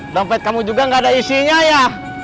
dompet kamu juga nggak ada isinya ya